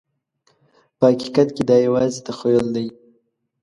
په حقیقت کې دا یوازې تخیل دی.